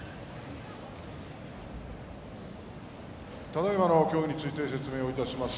ただいまの協議について説明をいたします。